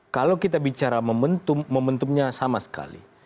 kalau kita bicara momentum momentumnya sama sekali